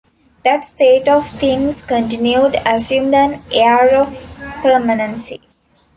That state of things continued, assumed an air of permanency.